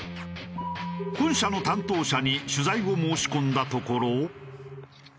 本社の担当者に取材を申し込んだところ。